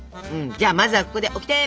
じゃあまずはここでオキテ！